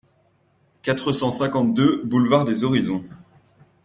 quatre cent cinquante-deux boulevard des Horizons